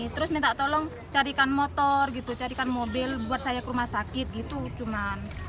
terus minta tolong carikan motor gitu carikan mobil buat saya ke rumah sakit gitu cuman